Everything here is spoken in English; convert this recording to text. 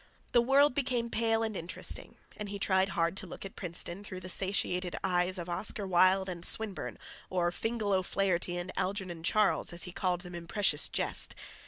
The world became pale and interesting, and he tried hard to look at Princeton through the satiated eyes of Oscar Wilde and Swinburne—or "Fingal O'Flaherty" and "Algernon Charles," as he called them in precieuse jest.